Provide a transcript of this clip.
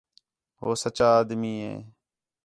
ہو سچّا آدمی ہے